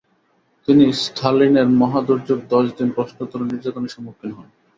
তিনি স্তালিনের মহাদুর্যোগে দশ দিন প্রশ্নোত্তর ও নির্যাতনের সম্মুখীন হন।